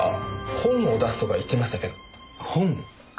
本？